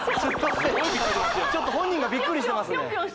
ちょっと本人がビックリしてますね